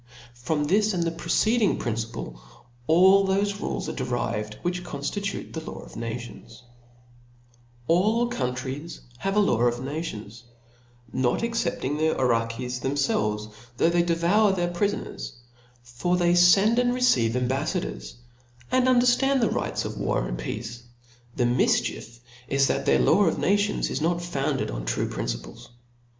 From this and the preceding principle all thofe rules are derived which conftitute thtlaw of nations. B 4 All I THESPIRIT Book All countries have a law of nations, notexcep^;* Chap, 3. ^"g ^J^'^ Iroquois fhemfelves, though they devour their prifoners : for they fend and receive ambaflk dor?^, and underftand the rights of war and peace. The mifchief is, that their lavy of nations is nbt founded on true principles.